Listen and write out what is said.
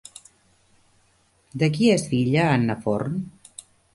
De qui és filla Anna Forn?